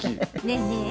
ねえねえ